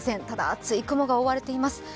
ただ厚い雲に覆われています。